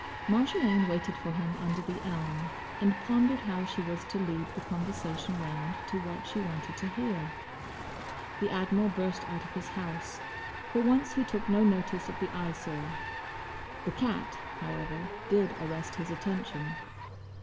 Marjolaine waited for him under the elm, and pondered how she was to lead the conversation round to what she wanted to hear. The Admiral burst out of his house. For once he took no notice of the Eyesore. The cat, however, did arrest his attention.